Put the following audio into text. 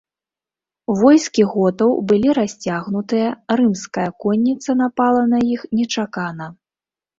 Войскі готаў былі расцягнутыя, рымская конніца напала на іх нечакана.